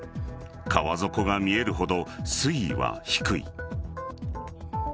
川底が見えるほど水位は低い。